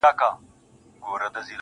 o داسي محراب غواړم، داسي محراب راکه.